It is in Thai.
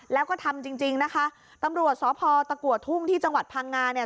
แล้วก็ทำจริงจริงนะคะตำรวจสพตะกัวทุ่งที่จังหวัดพังงาเนี่ย